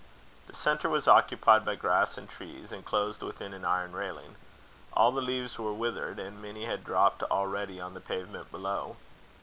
The centre was occupied by grass and trees, inclosed within an iron railing. All the leaves were withered, and many had dropped already on the pavement below.